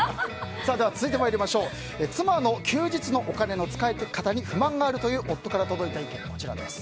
続いて妻の休日のお金の使い方に不満があるという夫からいただいた意見。